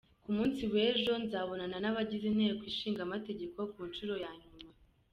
Ku munsi w’ejo nzabonana n’abagize Inteko Ishinga Amategeko ku nshuro ya nyuma.